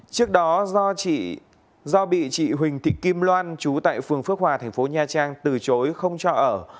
trước đó do bị chị huỳnh thị kim loan chú tại phường phước hòa thành phố nha trang từ chối không cho ở